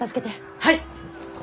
はい！